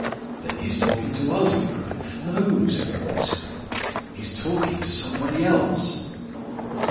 "Then he is talking to us," I cried. "No," said Rupert simply, "he's talking to somebody else."